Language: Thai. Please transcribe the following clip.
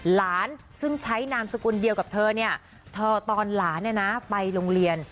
ซึ่งใช้นามสกุลเดียวกับเธอเนี่ยเธอตอนหลานไปโรงเรียน